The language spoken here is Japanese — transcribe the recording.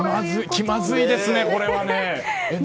気まずいですね、これは。